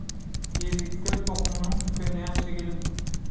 - Ýezitler, tohumyňyz tükenýänçä geliň.